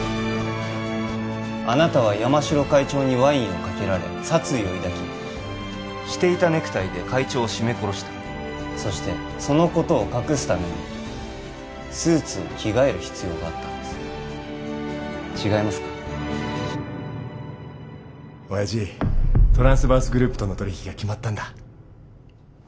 あなたは山城会長にワインをかけられ殺意を抱きしていたネクタイで会長を絞め殺したそしてそのことを隠すためにスーツを着替える必要があったんです違いますか親父トランスバースグループとの取引が決まったんだ